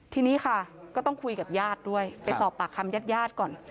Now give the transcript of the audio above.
ทีนี้ค่ะก็ต้องคุยกับญาติด้วยไปสอบปากคำญาติญาติก่อน